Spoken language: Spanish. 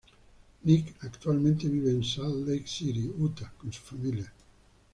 Nick actualmente vive en Salt Lake City, Utah con su familia.